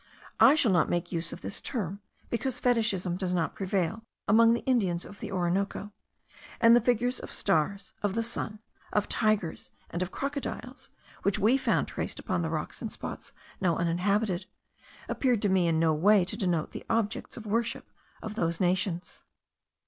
I shall not make use of this term, because fetishism does not prevail among the natives of the Orinoco; and the figures of stars, of the sun, of tigers, and of crocodiles, which we found traced upon the rocks in spots now uninhabited, appeared to me in no way to denote the objects of worship of those nations.